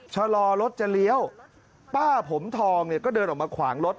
ชะลอรถจะเลี้ยวป้าผมทองเนี่ยก็เดินออกมาขวางรถ